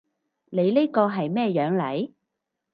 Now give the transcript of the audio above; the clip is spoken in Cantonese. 你呢個係咩樣嚟？